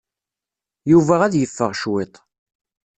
Yuba ad yeffeɣ cwiṭ.